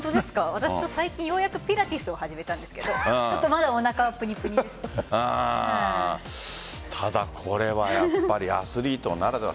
私、最近ようやくピラティスとか始めたんですけどまだ、おなかただ、これはやっぱりアスリートならでは。